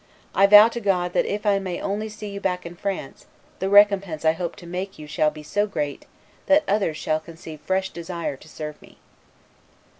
I vow to God, that if I may only see you back in France, the recompense I hope to make you shall be so great, that others shall conceive fresh desire to serve me.